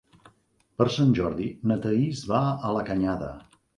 Per Sant Jordi na Thaís va a la Canyada.